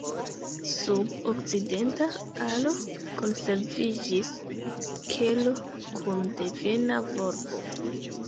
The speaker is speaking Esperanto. Sub okcidenta alo konserviĝis kelo kun devena volbo.